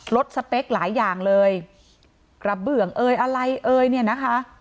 สเปคหลายอย่างเลยกระเบื้องเอ่ยอะไรเอ่ยเนี่ยนะคะ